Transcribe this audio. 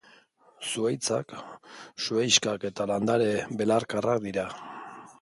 Zuhaitzak, zuhaixkak eta landare belarkarak dira.